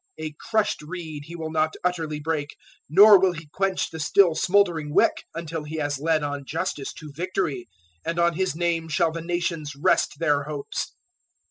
012:020 A crushed reed He will not utterly break, nor will He quench the still smouldering wick, until He has led on Justice to victory. 012:021 And on His name shall the nations rest their hopes."